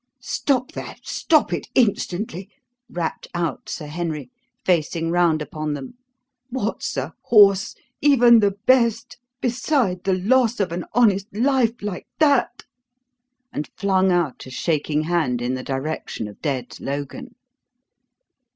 "Stop that! Stop it instantly!" rapped out Sir Henry, facing round upon them. "What's a horse even the best beside the loss of an honest life like that?" and flung out a shaking hand in the direction of dead Logan.